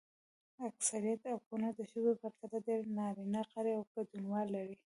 اکثریت اپونه د ښځو پرتله ډېر نارینه غړي او ګډونوال لري.